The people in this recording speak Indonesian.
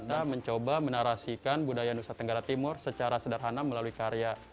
kita mencoba menarasikan budaya nusa tenggara timur secara sederhana melalui karya